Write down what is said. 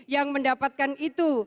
yang mendapatkan itu